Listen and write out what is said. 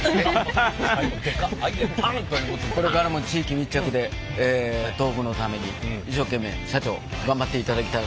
これからも地域密着で東北のために一生懸命社長頑張っていただきたいと思います。